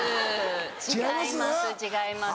違います！